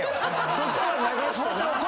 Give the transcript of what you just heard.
そこは流してな。